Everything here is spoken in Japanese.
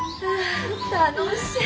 あ楽しい。